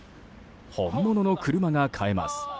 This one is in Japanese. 本物の車が買えます。